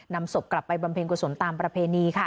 ศพกลับไปบำเพ็ญกุศลตามประเพณีค่ะ